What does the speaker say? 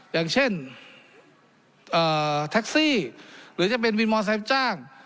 อย่างเช่นแท็กซี่หรือจะเป็นวินมอเซล์รับจ้าง